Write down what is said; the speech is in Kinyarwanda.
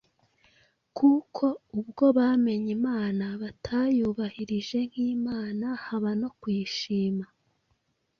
Kuko ubwo bamenye Imana batayubahirije nk’Imana haba no kuyishima